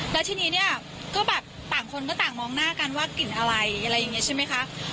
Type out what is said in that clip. แล้วทีนี้เนี่ยก็แบบต่างคนก็ต่างมองหน้ากันว่ากลิ่นอะไรอะไรอย่างนี้ใช่ไหมคะ